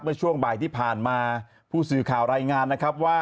เมื่อช่วงบ่ายที่ผ่านมาผู้สื่อข่าวรายงานนะครับว่า